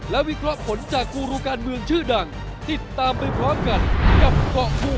มั่นใจครับ